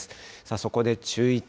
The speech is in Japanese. そこで注意点。